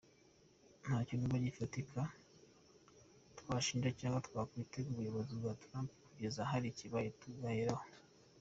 Ntacyo numva gifatika twashinja cyangwa twakwitega ku buyobozi bwa Trump kugeza hari ikibaye tugaheraho.